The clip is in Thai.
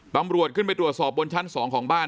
ตำรวจขึ้นไปตรวจสอบบนชั้น๒ของบ้าน